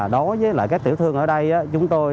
đối với các tiểu thương ở đây chúng tôi